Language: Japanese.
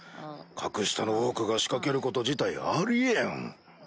格下のオークが仕掛けること自体あり得ん。